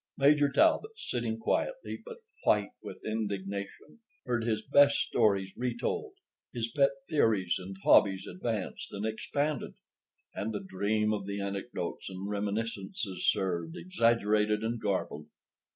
Major Talbot, sitting quietly, but white with indignation, heard his best stories retold, his pet theories and hobbies advanced and expanded, and the dream of the Anecdotes and Reminiscences served, exaggerated and garbled.